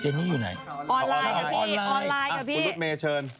ออนไลน์นะพี่